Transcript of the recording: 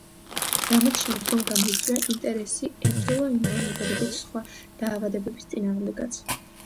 რამაც შემდგომ გამოიწვია ინტერესი ებრძოლა იმავე მეთოდებით სხვა დაავადებების წინააღმდეგაც.